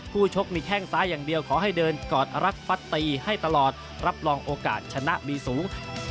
ชกมีแข้งซ้ายอย่างเดียวขอให้เดินกอดรักฟัดตีให้ตลอดรับรองโอกาสชนะมีสูง